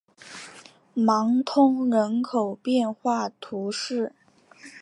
芒通人口变化图示